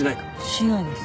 しないです。